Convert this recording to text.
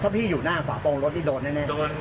ถ้าพี่อยู่หน้าฝาโปรงรถนี่โดนแน่